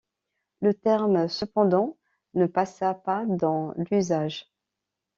Le terme cependant ne passa pas dans l'usage.